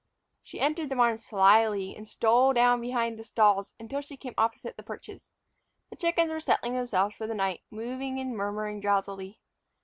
She entered the barn slyly and stole down behind the stalls until she came opposite the perches. The chickens were settling themselves for the night, moving and murmuring drowsily.